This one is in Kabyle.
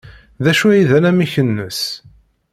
D acu ay d anamek-nnes?